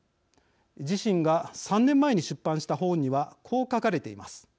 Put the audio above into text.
自身が３年前に出版した本にはこう書かれています。